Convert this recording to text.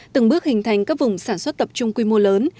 từng bước hình thành các vùng sản xuất tập trung quy mô lớn